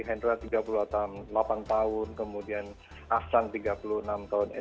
hendra tiga puluh delapan tahun kemudian ahsan tiga puluh enam tahun